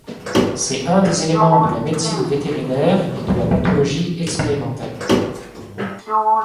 C'est un des éléments de la médecine vétérinaire et de la pathologie expérimentale.